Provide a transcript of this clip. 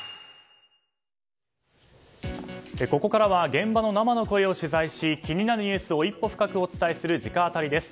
ここからは現場の生の声を取材し気になるニュースを一歩深くお伝えする直アタリです。